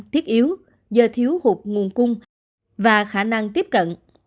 thiết yếu do thiếu hụt nguồn cung và khả năng tiếp cận